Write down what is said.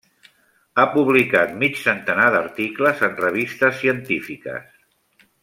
Ha publicat mig centenar d’articles en revistes científiques.